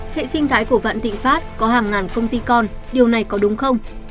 hệ sinh thái của vạn thịnh pháp có hàng ngàn công ty con điều này có đúng không